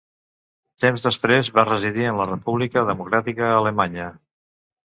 Temps després va residir en la República Democràtica Alemanya.